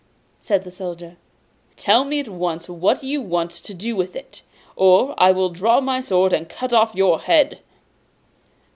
said the Soldier. 'Tell me at once what you want to do with it, or I will draw my sword, and cut off your head!